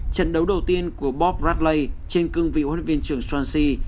trận đấu đầu tiên của bob bradley trên cương vị huấn luyện viên trưởng swansea